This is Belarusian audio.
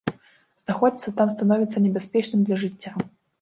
Знаходзіцца там становіцца небяспечным для жыцця.